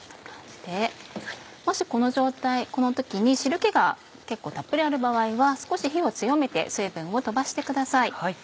もしこの状態この時に汁気が結構たっぷりある場合は少し火を強めて水分を飛ばしてください。